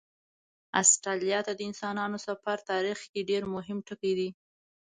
استرالیا ته د انسانانو سفر تاریخ کې مهم ټکی دی.